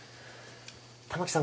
玉置さん